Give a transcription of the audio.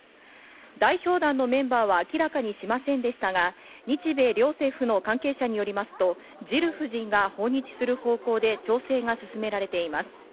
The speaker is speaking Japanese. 代表団のメンバーは明らかにしませんでしたが、日米両政府の関係者によりますと、ジル夫人が訪日する方向で調整が進められています。